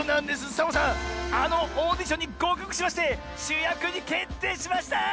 サボさんあのオーディションにごうかくしましてしゅやくにけっていしました！